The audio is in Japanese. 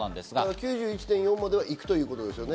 ９１．４までは行くということですよね。